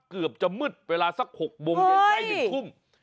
เกือบจะมืดเวลาสัก๖โมงใกล้๑ทุ่ม